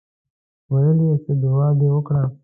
ویل یې څه دعا دې وکړه.